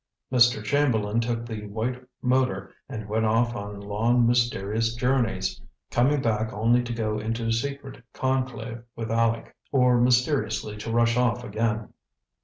Mr. Chamberlain took the white motor and went off on long, mysterious journeys, coming back only to go into secret conclave with Aleck, or mysteriously to rush off again.